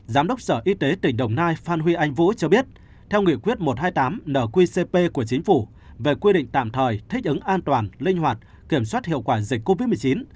giám đốc sở y tế tỉnh đồng nai phan huy anh vũ cho biết theo nghị quyết một trăm hai mươi tám nqcp của chính phủ về quy định tạm thời thích ứng an toàn linh hoạt kiểm soát hiệu quả dịch covid một mươi chín